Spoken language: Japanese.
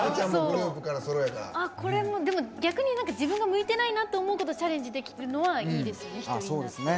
これもでも逆に自分が向いてないかなってことチャレンジできるのはいいですよね。